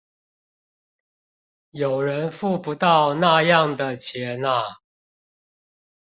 有人付不到那樣的錢啊